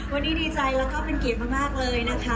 วันนี้ดีใจแล้วก็เป็นเกียรติมากเลยนะคะ